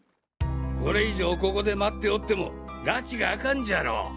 これ以上ここで待っておってもラチが明かんじゃろう！